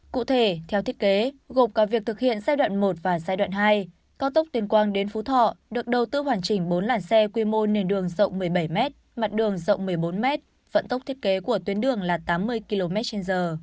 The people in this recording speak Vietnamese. cụ thể theo thiết kế gộp cả việc thực hiện giai đoạn một và giai đoạn hai cao tốc tuyên quang đến phú thọ được đầu tư hoàn chỉnh bốn làn xe quy mô nền đường rộng một mươi bảy m mặt đường rộng một mươi bốn m vận tốc thiết kế của tuyến đường là tám mươi km trên giờ